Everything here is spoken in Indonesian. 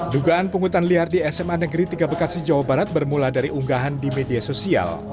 dugaan penghutan liar di sma negeri tiga bekasi jawa barat bermula dari unggahan di media sosial